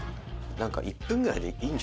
「１分くらいでいいんじゃない？